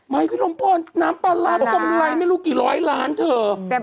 ไม๊พี่ลมปอดน้ำปลาร้าผมไรไม่รู้กี่ร้อยล้านเถอะ